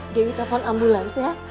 dewi telfon ambulans ya